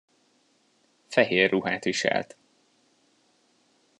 Fehér ruhát viselt.